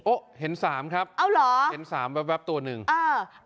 เห็นสามครับเอาเหรอเห็นสามแป๊บตัวหนึ่งอ่า